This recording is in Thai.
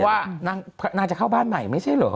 เพราะว่านางน่าจะเข้าบ้านใหม่ไม่ใช่เหรอ